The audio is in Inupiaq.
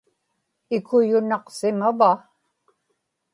ikuyunaqsimava